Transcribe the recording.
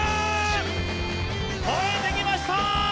越えてきました！